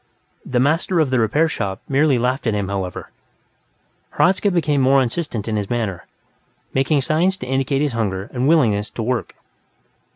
The master of the repair shop merely laughed at him, however. Hradzka became more insistent in his manner, making signs to indicate his hunger and willingness to work.